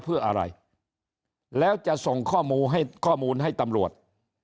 เพื่ออะไรแล้วจะส่งข้อมูลให้ตำรวจ